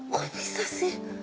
kok bisa sih